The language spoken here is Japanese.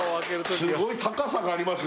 すごい高さがありますね